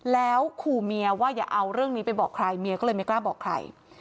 แล้วขู่เมียว่าอย่าเอาเรื่องนี้ไปบอกใครเมียก็เลยไม่กล้าบอกใคร